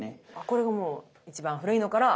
これがもう一番古いのから。